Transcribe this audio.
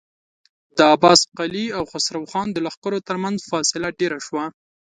د عباس قلي او خسرو خان د لښکرو تر مينځ فاصله ډېره شوه.